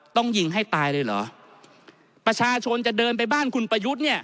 ต้องยิงให้ตายเลยเหรอประชาชนจะเดินไปบ้านคุณประยุทธ์เนี่ย